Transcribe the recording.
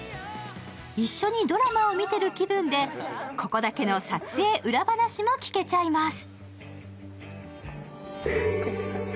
一緒にドラマを見てる気分で、ここだけの撮影裏話も聞けちゃいます。